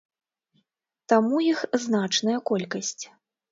Таму іх значная колькасць.